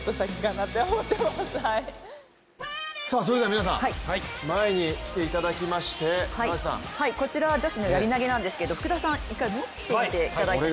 皆さん、前に来ていただきましてこちらは女子のやり投げですけれども、福田さん、１回持ってみていただいていいですか。